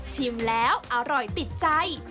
ชิมแล้วอร่อยติดใจ